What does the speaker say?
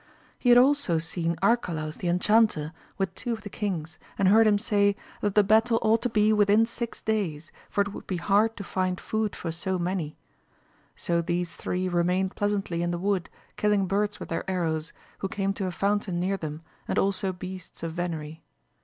He had also seen Arcalaus the Enchanter with two of the kings, and heard him say, that the battle ought to be within six days, for it would be hard to find food for so many. So these three remained pleasantly in the wood, killing birds with their arrows, who came to a fountain near them, and also beasts of venery.